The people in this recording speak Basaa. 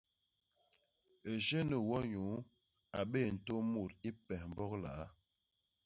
Éugéné Wonyuu a bé ntôô mut i pes Mbok Liaa.